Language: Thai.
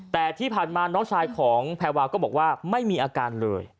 แต่ที่ผ่านมาน้องชายของแพรวาก็บอกว่าไม่มีอาการเลย